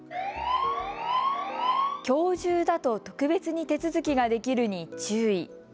きょう中だと特別に手続きができるに注意。